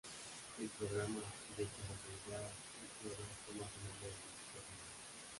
El programa de telerrealidad "Big Brother" toma su nombre de dicho personaje.